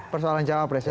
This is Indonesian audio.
persoalan cawapres ya